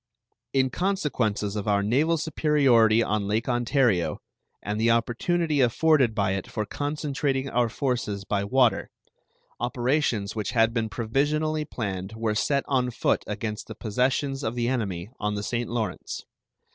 In consequences of our naval superiority on Lake Ontario and the opportunity afforded by it for concentrating our forces by water, operations which had been provisionally planned were set on foot against the possessions of the enemy on the St. Lawrence.